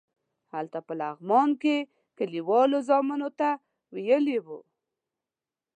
هلته په لغمان کې کلیوالو زامنو ته ویلي وو.